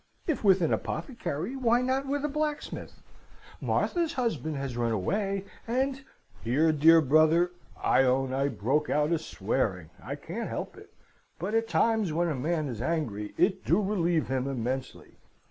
If with an apothecary, why not with a blacksmith? Martha's husband has run away, and ' "Here, dear brother, I own I broke out a swearing. I can't help it; but at times, when a man is angry, it do relieve him immensely.